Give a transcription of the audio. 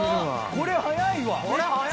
これ早いよ！